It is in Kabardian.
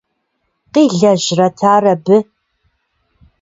Къилэжьрэт ар абы?